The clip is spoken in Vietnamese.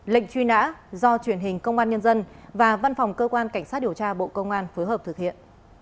lệnh truy nã do truyền hình công an nhân dân và văn phòng cơ quan cảnh sát điều tra bộ công an phối hợp thực hiện